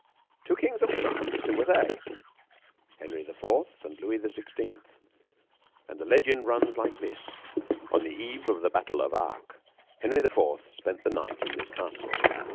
"Two kings of France! Who were they?" "Henry the Fourth and Louis the Sixteenth. And the legend runs like this: On the eve of the battle of Arques, Henry the Fourth spent the night in this castle.